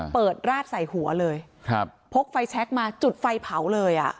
เปิดราดใส่หัวเลยพกไฟแชคมาจุดไฟเผาเลย